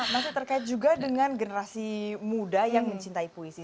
masih terkait juga dengan generasi muda yang mencintai puisi